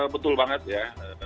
betul banget ya